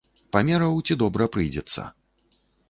Памераў, ці добра прыйдзецца.